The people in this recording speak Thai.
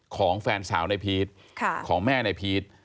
ของแฟนสาวนายพีชของแม่นายพีช